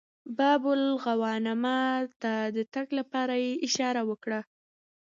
باب الغوانمه ته د تګ لپاره یې اشاره وکړه.